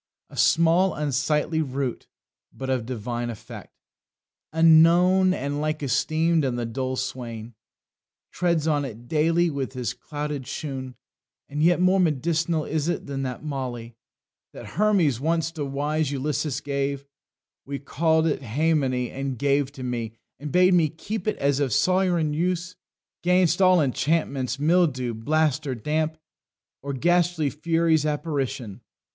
"A small unsightly root, But of divine effect. Unknown, and like esteem'd, and the dull swain Treads on it daily with his clouted shoon; And yet more med'cinal is it than that moly That Hermes once to wise Ulysses gave; He call'd it haemony, and gave it me, And bade me keep it as of sovran use 'Gainst all enchantments, mildew, blast, or damp, Or ghastly furies' apparition.